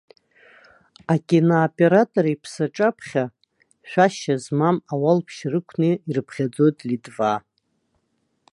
Акинооператор иԥсы аҿаԥхьа шәашьа змам ауалԥшьа рықәны ирыԥхьаӡоит литваа.